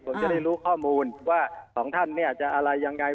ผมจะได้รู้ข้อมูลว่าสองท่านเนี่ยจะอะไรยังไง